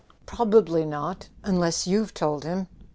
"Probably not—unless you've told him!"